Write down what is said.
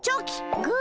グー！